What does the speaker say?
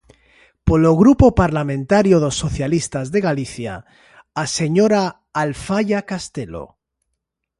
Polo Grupo Parlamentario dos Socialistas de Galicia, a señora Alfaia Castelo.